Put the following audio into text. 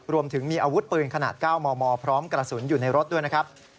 รวมถึงมีอาวุธปืนขนาด๙มมพร้อมกระสุนอยู่ในรถด้วยนะครับ